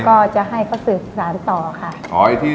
ก็จะให้เขาสืบสารต่อค่ะ